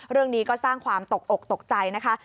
เรื่องนี้ก็สร้างความตกอกตกใจนะคะ